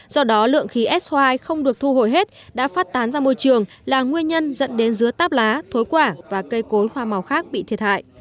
do đó lượng khí s hai không được thu hồi hết đã phát tán ra môi trường là nguyên nhân dẫn đến dứa táp lá thối quả và cây cối hoa màu khác bị thiệt hại